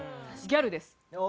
ギャルです。